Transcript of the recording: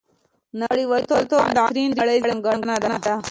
• نړیوالتوب د عصري نړۍ ځانګړنه ده.